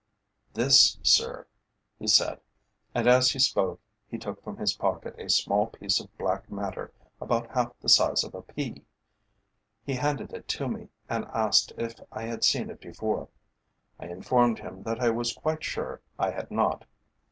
"This, sir," he said, and as he spoke he took from his pocket a small piece of black matter about half the size of a pea. He handed it to me and asked if I had seen it before. I informed him that I was quite sure I had not.